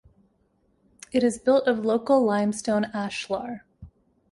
It is built of local limestone ashlar.